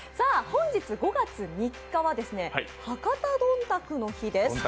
本日、５月３日は博多どんたくの日です。